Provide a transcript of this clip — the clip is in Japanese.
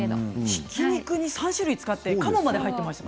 ひき肉に３種類使ってあいがもまで入っていました。